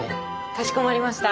かしこまりました。